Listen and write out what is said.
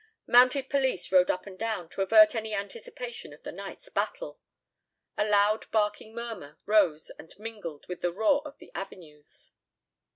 Mounted police rode up and down to avert any anticipation of the night's battle. A loud barking murmur rose and mingled with the roar of the avenues.